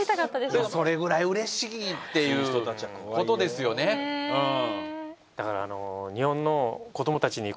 でもそれくらいうれしいっていうことですよねうん。